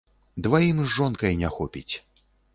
Дваім з жонкай не хопіць.